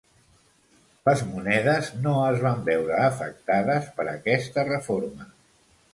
Les monedes no es van veure afectades per aquesta reforma.